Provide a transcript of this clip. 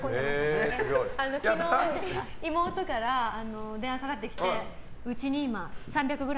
昨日、妹から電話かかってきてうちに今、３００ｇ